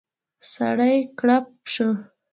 سړی کړپ شو.